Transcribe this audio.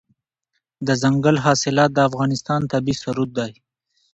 دځنګل حاصلات د افغانستان طبعي ثروت دی.